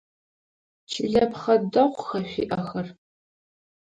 Чылэпхъэ дэгъуха шъуиӏэхэр?